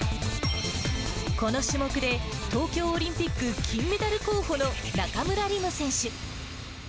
この種目で、東京オリンピック金メダル候補の中村輪夢選手。